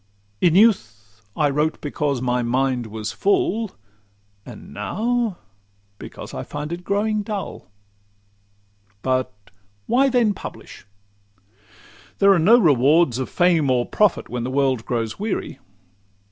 In youth I wrote because my mind was full, And now because I feel it growing dull. But 'why then publish?'—There are no rewards Of fame or profit when the world grows weary.